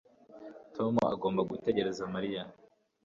Tom agomba gutegereza Mariya